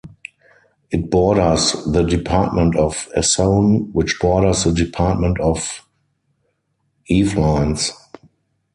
It borders the department of Essonne which borders the department of Yvelines.